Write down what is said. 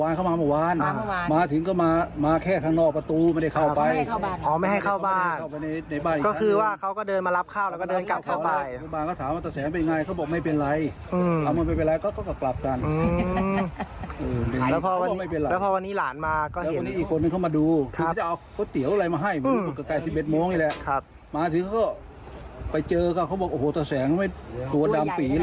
ยังไม่ตัวดำปีแล้วอ้วนกว่าเริ่มเลยครับไฟตายซะละมั้งทุกว่าอย่างงี้